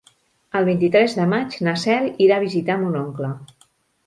El vint-i-tres de maig na Cel irà a visitar mon oncle.